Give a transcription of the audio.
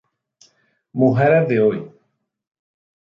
Mujeres de hoy